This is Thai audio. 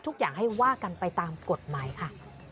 ทุกอย่างให้ว่ากันไปตามกฎหมายค่ะ